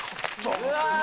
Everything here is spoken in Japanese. うわ！